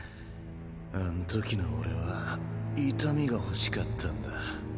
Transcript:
あんときの俺は痛みが欲しかったんだ。